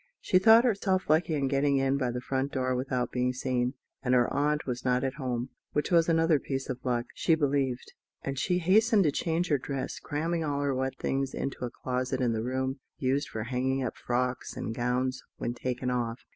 She thought herself lucky in getting in by the front door without being seen; and her aunt was not at home, which was another piece of luck, she believed; and she hastened to change her dress, cramming all her wet things into a closet in the room used for hanging up frocks and gowns when taken off.